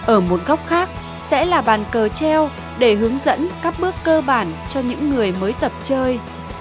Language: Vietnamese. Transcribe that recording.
ở một góc khác sẽ là bàn cờ treo để hướng dẫn các bước cơ bản cho những người mới tập chơi